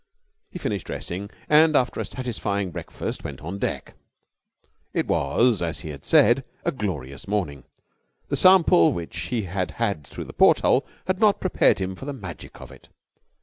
He finished dressing, and, after a satisfying breakfast, went on deck. It was, as he had said, a glorious morning. The sample which he had had through the porthole had not prepared him for the magic of it.